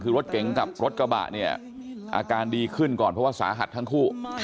คือรถเก๋งกับรถกระบะเนี่ยอาการดีขึ้นก่อนเพราะว่าสาหัสทั้งคู่